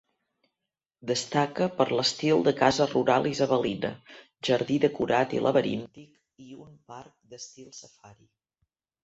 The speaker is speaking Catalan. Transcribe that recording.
Destaca per l'estil de casa rural isabelina, jardí decorat i laberíntic i un parc d'estil safari.